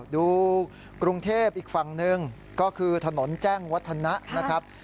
ดูกรุงเทพอีกฝั่งหนึ่งก็คือถนนแจ้งวัฒนะนะครับ